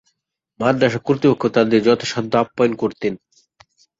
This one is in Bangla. মাদ্রাসা কর্তৃপক্ষ তাদের যথাসাধ্য আপ্যায়ন করতেন।